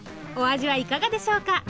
お味はいかがでしょうか？